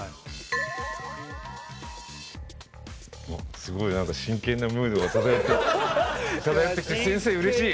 すごいなんか真剣なムードが漂ってきて漂ってきて先生嬉しい！